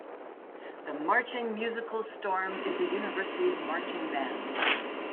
The "Marching Musical Storm" is the university's marching band.